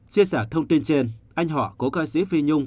chia sẻ thông tin trên anh họ cố ca sĩ phi nhung